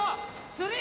スリー！